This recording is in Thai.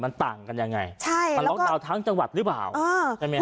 มันต่างกันยังไงใช่มันล็อกดาวน์ทั้งจังหวัดหรือเปล่าอ่าใช่ไหมฮ